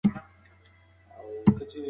ټولنیز نهادونه د ګډو ارزښتونو ساتنه کوي.